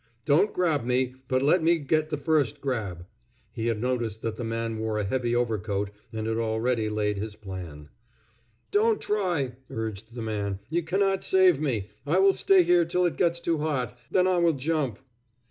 Don't grab me, but let me get the first grab." He had noticed that the man wore a heavy overcoat, and had already laid his plan. "Don't try," urged the man. "You cannot save me. I will stay here till it gets too hot; then I will jump."